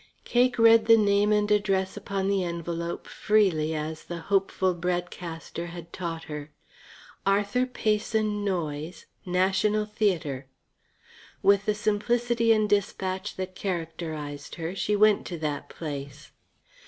Cake read the name and address upon the envelope freely as the hopeful bread caster had taught her: Arthur Payson Noyes, National Theatre. With the simplicity and dispatch that characterized her, she went to that place.